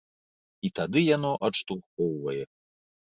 І тады яно адштурхоўвае.